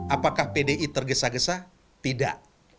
apakah pdi tergesa gesa tidak